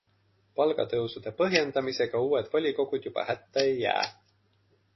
Palgatõusude põhjendamisega uued volikogud juba hätta ei jää.